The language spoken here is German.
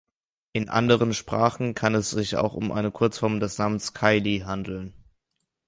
In anderen Sprachen kann es sich auch um eine Kurzform des Namens Kylie handeln.